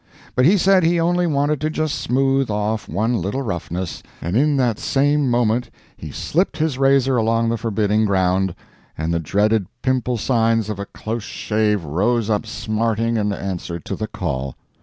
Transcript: But he said he only wanted to just smooth off one little roughness, and in that same moment he slipped his razor along the forbidden ground, and the dreaded pimple signs of a close shave rose up smarting and answered to the call.